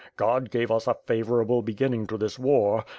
God gave us a favorable beginning to this war.